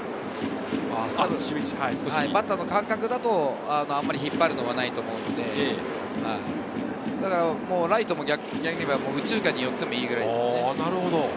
バッターの感覚だとあんまり引っ張るのはないと思うので、ライトも右中間に寄ってもいいぐらいです。